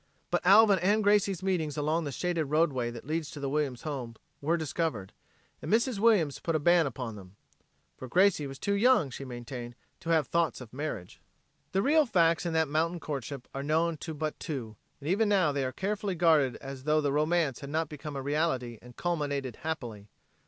But Alvin's and Gracie's meetings along the shaded roadway that leads to the Williams home were discovered, and Mrs. Williams put a ban upon them for Gracie was too young, she maintained, to have thoughts of marriage. The real facts in that mountain courtship are known to but two, and even now are as carefully guarded as tho the romance had not become a reality and culminated happily.